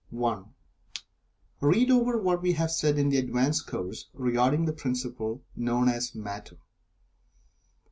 (1) Read over what we have said in the "Advanced Course" regarding the principle known as Matter.